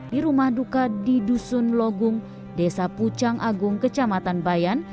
di rumah duka di dusun logung desa pucang agung kecamatan bayan